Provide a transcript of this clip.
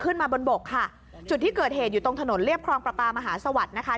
ขึ้นมาบนบกค่ะจุดที่เกิดเหตุอยู่ตรงถนนเรียบครองประปามหาสวัสดิ์นะคะ